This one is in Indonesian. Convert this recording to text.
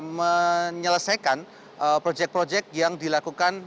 menyelesaikan proyek proyek yang dilakukan